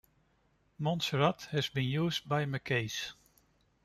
"Montserrat" has been used by Macy's.